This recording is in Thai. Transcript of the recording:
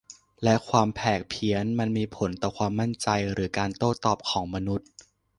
และความแผกเพี้ยน มันมีผลต่อความมั่นใจหรือการโต้ตอบของมนุษย์